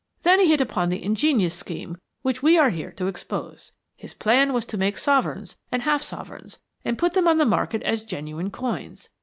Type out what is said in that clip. Then he hit upon the ingenious scheme which we are here to expose. His plan was to make sovereigns and half sovereigns, and put them on the market as genuine coins.